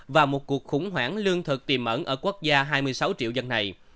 và một cuộc khủng hoảng lương thực tìm ẩn ở quốc gia hai mươi sáu triệu dân này